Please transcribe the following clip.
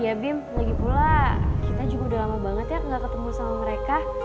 iya bim lagipula kita juga udah lama banget ya gak ketemu sama mereka